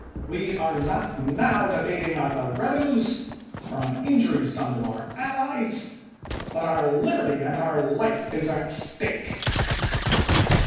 We are not now debating on the revenues, or on injuries done to our allies, but our liberty and our life is at stake.